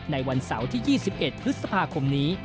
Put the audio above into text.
ในวันเสาร์ที่๒๑พฤษภาคมนี้